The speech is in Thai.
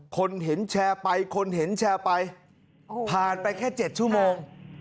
คนเห็นแชร์ไปคนเห็นแชร์ไปผ่านไปแค่๗ชั่วโมง